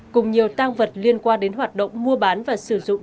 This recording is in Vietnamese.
cùng nhiều tăng vật liên quan đến hoạt động mua bán và sử dụng